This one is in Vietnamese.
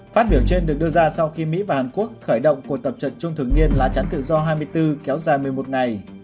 phát biểu trên được đưa ra sau khi mỹ và hàn quốc khởi động cuộc tập trận chung thường niên lá chắn tự do hai mươi bốn kéo dài một mươi một ngày